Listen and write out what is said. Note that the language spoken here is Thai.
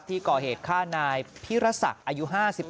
ที่ก่อเหตุฆ่านายพิรษักอายุ๕๓